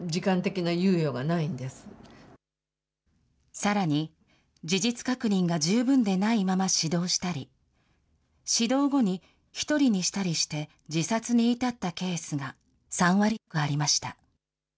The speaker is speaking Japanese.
さらに、事実確認が十分でないまま指導したり、指導後に１人にしたりして自殺に至ったケースが３割ありました。